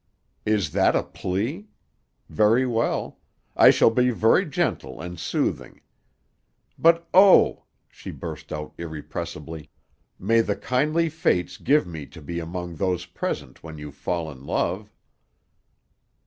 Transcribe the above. "Is that a plea? Very well. I shall be very gentle and soothing. But, oh," she burst out irrepressibly, "may the kindly fates give me to be among those present when you fall in love!"